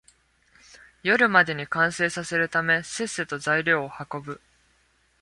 夜までに完成させるため、せっせと材料を運ぶ